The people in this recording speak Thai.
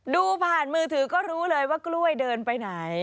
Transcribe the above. ดูผ่านมือถือก็รู้เลยว่ากล้วยเดินไปไหน